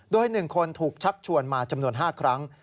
โดย๑คนถูกชักชวนมาจำนวน๕ครั้ง